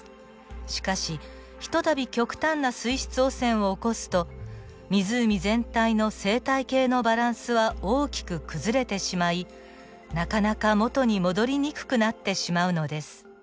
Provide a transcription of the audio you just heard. しかし一たび極端な水質汚染を起こすと湖全体の生態系のバランスは大きく崩れてしまいなかなか元に戻りにくくなってしまうのです。